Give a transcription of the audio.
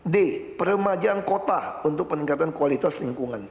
d peremajaan kota untuk peningkatan kualitas lingkungan